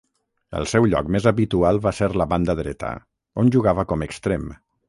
El seu lloc més habitual va ser la banda dreta, on jugava com extrem.